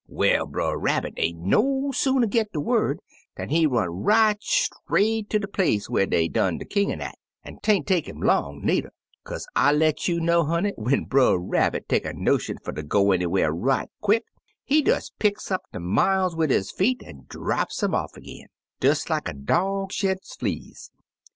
"Well, Brer Rabbit ain't no sooner git de word dan he run right straight ter de place whar dey done der kingin' at, an' 'taint take 'im long, needer, kaze I let you know, honey, when Brer Rabbit take a notion fer ter go anywhar right quick, he des picks up de miles wid his feet an' draps um off ag'in, des like a dog sheds fleas.